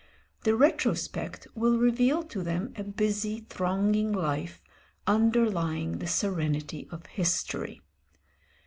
The retrospect will reveal to them a busy, thronging life underlying the serenity of history.